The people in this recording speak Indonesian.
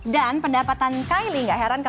dan pendapatan kylie gak heran